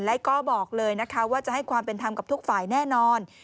และก็บอกเลยนะคะว่าจะให้ความเป็นธรรมกับทุกฝ่ายแน่นอน